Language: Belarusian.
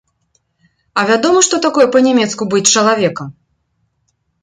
А вядома, што такое па-нямецку быць чалавекам!